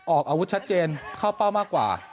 ออกอาวุธชัดเจนเข้าเป้ามากกว่า